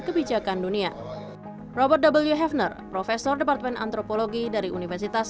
kebijakan dunia robert wfhner profesor departemen antropologi dari universitas